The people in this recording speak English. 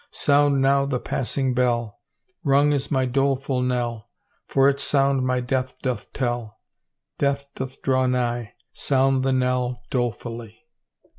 Sound now the passing bell. Rung is my doleful knell. For its sound my death doth tell; Death doth draw nigh, Sound the knell dolefully.